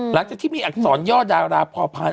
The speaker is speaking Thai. หลังจากที่มีอักษรย่อดาราพอพันธ